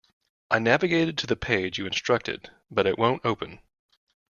I navigated to the page you instructed, but it won't open.